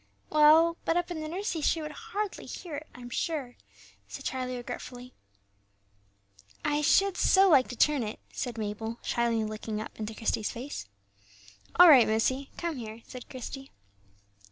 "Well; but up in the nursery she would hardly hear it, I'm sure," said Charlie, regretfully. "I should so like to turn it," said Mabel, shyly looking up into Christie's face. "All right, missie; come here," said Christie.